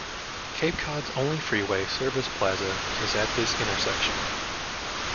Cape Cod's only freeway service plaza is at this intersection.